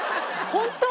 ホント！？